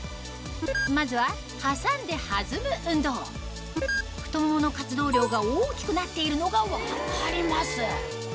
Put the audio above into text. まずは挟んで弾む運動太ももの活動量が大きくなっているのが分かります